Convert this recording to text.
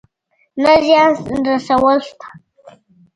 نه زيان رسول شته.